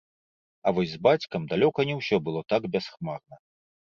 А вось з бацькам далёка не ўсё было так бясхмарна.